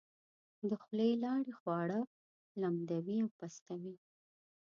د خولې لاړې خواړه لمدوي او پستوي.